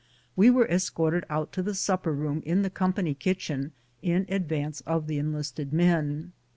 We were escorted out to the supper room in the company kitchen in advance of the enlisted men.